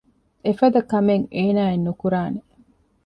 އެފަދަ ކަމެއް އޭނާއެއް ނުކުރާނެ